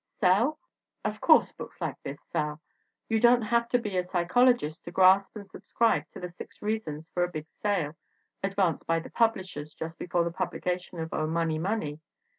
Sell? Of course books like this sell! You don't have to be a psychologist to grasp and subscribe to the six reasons for a big sale, advanced by the pub lishers just before the publication of Oh, Money! Money!